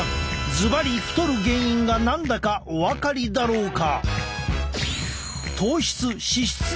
ズバリ太る原因が何だかお分かりだろうか？